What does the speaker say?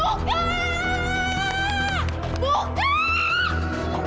disana lebih seru